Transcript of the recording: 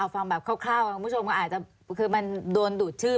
ฟังแบบคร่าวคุณผู้ชมก็อาจจะคือมันโดนดูดชื่อ